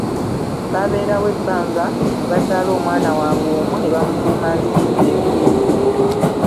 Babeerawo ebbanga ne bazaala omwana waabwe omu nebamutuuma Nsimbi Egwire.